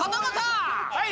はい！